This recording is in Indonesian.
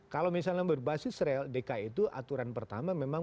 kalau misalnya berbasis rel dki itu aturan pertama memang